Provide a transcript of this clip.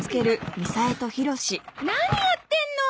何やってんの！